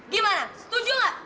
gimana setuju nggak